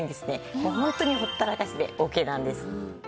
もうホントにほったらかしでオーケーなんです。